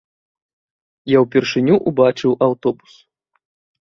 Я ўпершыню ўбачыў аўтобус.